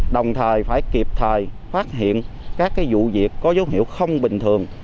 đồng thời phải kịp thời phát hiện các vụ việc có dấu hiệu không bình thường